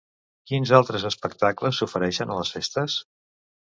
Quins altres espectacles s'ofereixen a les festes?